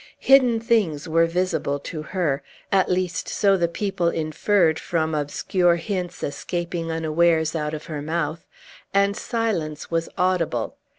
Hidden things were visible to her (at least so the people inferred from obscure hints escaping unawares out of her mouth), and silence was audible.